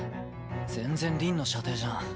全然凛の射程じゃん。